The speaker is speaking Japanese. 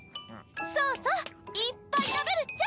そうそういっぱい食べるっちゃ。